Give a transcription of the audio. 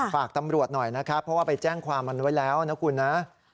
ฝากตำรวจหน่อยนะครับเพราะว่าไปแจ้งความมันไว้แล้วนะคุณนะ